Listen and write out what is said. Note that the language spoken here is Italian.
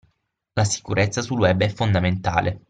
La sicurezza sul Web è fondamentale